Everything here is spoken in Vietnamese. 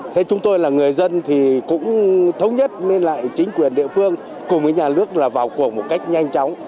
thế chúng tôi là người dân thì cũng thống nhất với lại chính quyền địa phương cùng với nhà nước là vào cuộc một cách nhanh chóng